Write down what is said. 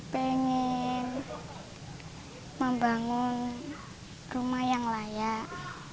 pengen membangun rumah yang layak